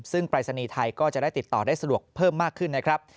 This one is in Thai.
ซึ่งปรายศนีย์ไทยก็จะได้ติดต่อได้สะดวกเพิ่มมากขึ้นนะครับ